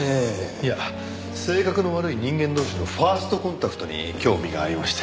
いや性格の悪い人間同士のファーストコンタクトに興味がありまして。